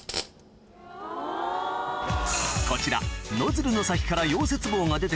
こちらノズルの先から溶接棒が出て来る